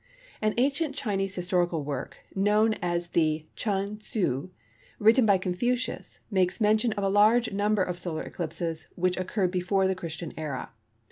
An ancient Chinese historical work, known as the Chun Tsew, written by Confucius, makes mention of a large number of solar eclipses which occurred before the Christian Era.